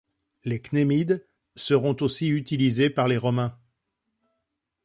Les Cnémides seront aussi utilisées par les romains.